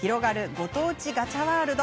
ご当地ガチャ・ワールド。